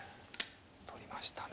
取りましたね。